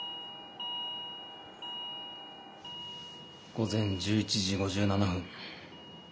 午前１１時５７分。